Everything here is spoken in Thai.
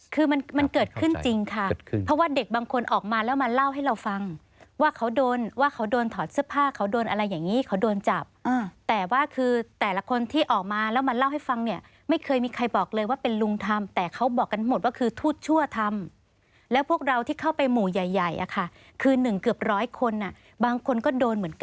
คือมันมันเกิดขึ้นจริงค่ะเพราะว่าเด็กบางคนออกมาแล้วมาเล่าให้เราฟังว่าเขาโดนว่าเขาโดนถอดเสื้อผ้าเขาโดนอะไรอย่างนี้เขาโดนจับแต่ว่าคือแต่ละคนที่ออกมาแล้วมาเล่าให้ฟังเนี่ยไม่เคยมีใครบอกเลยว่าเป็นลุงทำแต่เขาบอกกันหมดว่าคือทูตชั่วทำแล้วพวกเราที่เข้าไปหมู่ใหญ่ใหญ่อะค่ะคือหนึ่งเกือบร้อยคนอ่ะบางคนก็โดนเหมือนกัน